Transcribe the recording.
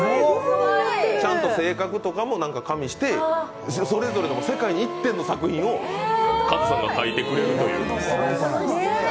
ちゃんと性格とかも加味して、それぞれ世界に１点の作品をカズさんが描いてくれるという。